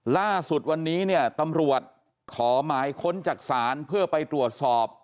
ล่าสุดวันนี้เนี่ยตำรวจขอหมายค้นจากศาลเพื่อไปตรวจสอบ